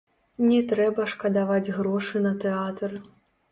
Не трэба шкадаваць грошы на тэатр.